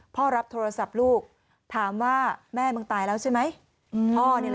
รับโทรศัพท์ลูกถามว่าแม่มึงตายแล้วใช่ไหม